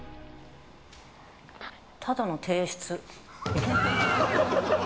ただの提出。